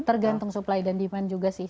tergantung supply dan demand juga sih